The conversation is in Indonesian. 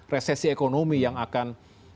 resesi ekonomi yang akan